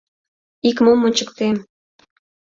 — Ик-мом ончыктем.